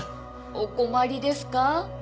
お困りですか？